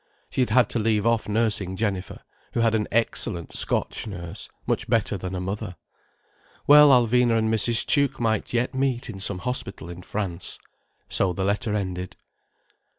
She had had to leave off nursing Jenifer, who had an excellent Scotch nurse, much better than a mother. Well, Alvina and Mrs. Tuke might yet meet in some hospital in France. So the letter ended.